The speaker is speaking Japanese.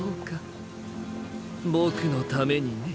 ボクのためにね。